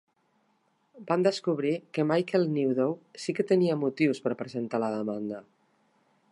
Van descobrir que Michael Newdow sí que tenia motius per presentar la demanda.